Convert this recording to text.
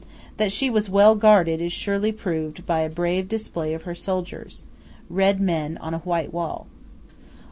That she was well guarded is surely proved by a brave display of her soldiers red men on a white wall.